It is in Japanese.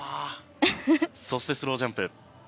そしてスロージャンプ。